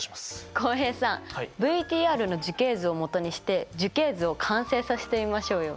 浩平さんＶＴＲの樹形図を基にして樹形図を完成させてみましょうよ。